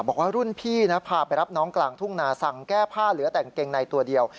บอกว่ารุ่นพี่นะพาไปรับน้องกลางทุ่งนาสั่งแก้ผ้าเหลือแต่กางเกงในตัวเดียว